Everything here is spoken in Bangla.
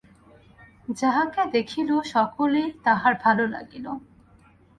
যাহাকে দেখিল, সকলকেই তাহার ভাল লাগিল।